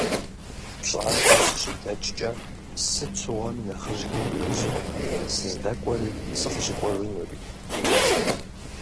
Пщӏантӏэм сыщыдэкӏкӏэ, сыт щыгъуэми нэхъыжьхэм яжызоӏэ сыздэкӏуэри сыкъыщыкӏуэжынури.